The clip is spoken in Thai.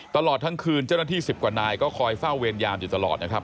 ตลอดทั้งคืนเจ้าหน้าที่๑๐กว่านายก็คอยเฝ้าเวรยามอยู่ตลอดนะครับ